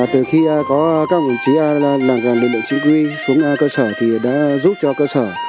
từ khi có các quản chí làm gần lực lượng chính quy xuống cơ sở thì đã giúp cho cơ sở